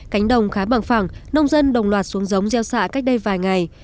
cánh đồng khá bằng phẳng nông dân đồng loạt xuống giống gieo xạ cách đây vài ngày